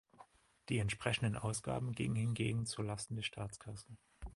Die entsprechenden Ausgaben gingen hingegen zu Lasten der Staatskasse.